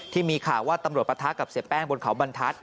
ที่มีข่าวว่าตำรวจปะทะกับเสียแป้งบนเขาบรรทัศน